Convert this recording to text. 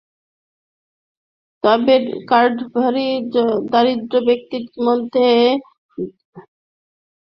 এতে কার্ডধারী দরিদ্র ব্যক্তিদের মধ্যে ভিজিএফের চাল বিতরণ অনিশ্চিত হয়ে পড়েছে।